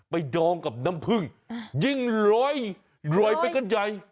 ไปดองกับน้ำพึงยิ่งรอยไปกันใหญ่